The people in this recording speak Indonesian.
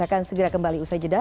akan segera kembali usai jeda